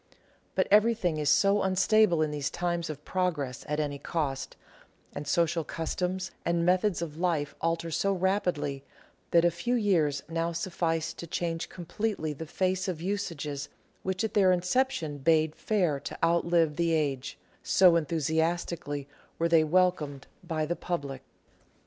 But everything is so unstable in these times of progress at any cost, and social customs and methods of life alter so rapidly, that a few years now suffice to change completely the face of usages which at their inception bade fair to outlive the age — so enthusiastically were they welcomed by the public.